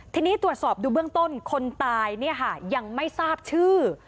ทีนี้ตรวจสอบดูเบื้องต้นคนตายยังไม่ทราบชื่อ